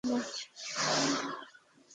দেখো, ঈশ্বরের ক্ষমতা।